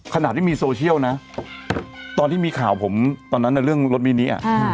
ขณะที่มีโซเชียลนะตอนที่มีข่าวผมตอนนั้นเรื่องรถมินิอ่ะ